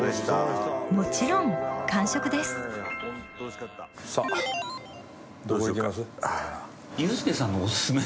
もちろん完食ですさぁどこ行きます？